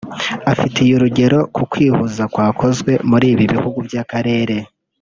Afatiye urugero ku kwihuza kwakozwe muri ibi bihugu by’akarere